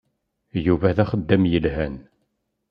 Yuba d axeddam yelhan.